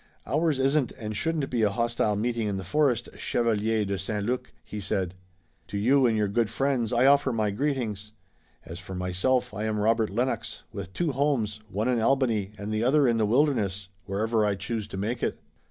"Ours isn't and shouldn't be a hostile meeting in the forest, Chevalier de St. Luc," he said. "To you and your good friends I offer my greetings. As for myself, I am Robert Lennox, with two homes, one in Albany, and the other in the wilderness, wherever I choose to make it."